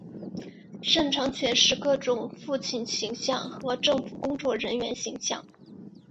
擅长诠释各种父亲形象和政府工作人员形象。